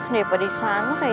daripada di sana kayak